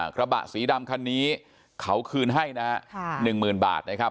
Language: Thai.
กระบะสีดำคันนี้เขาคืนให้นะฮะ๑๐๐๐บาทนะครับ